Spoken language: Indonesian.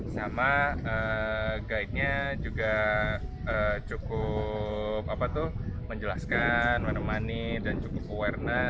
sama guide nya juga cukup menjelaskan menemani dan cukup awarenes